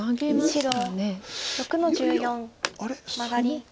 白６の十四マガリ。